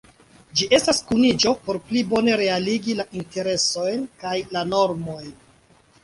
Ĝi estas kuniĝo por pli bone realigi la interesojn kaj la normojn.